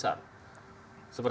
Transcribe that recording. seperti apa kelompok besar